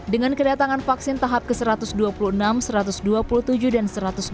dengan kedatangan vaksin tahap ke satu ratus dua puluh enam satu ratus dua puluh tujuh dan satu ratus dua puluh